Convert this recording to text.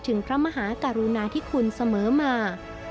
ถึงความมหากรุณาที่คุณเสมอมา